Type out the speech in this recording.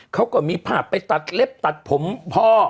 เขาก็มีภาพไปตัดเล็บตัดผมพ่อ